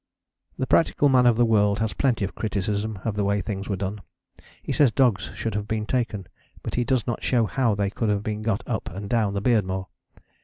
The practical man of the world has plenty of criticism of the way things were done. He says dogs should have been taken; but he does not show how they could have been got up and down the Beardmore.